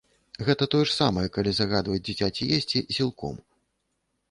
Гэта тое ж самае, калі загадваць дзіцяці есці сілком.